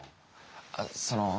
あっその。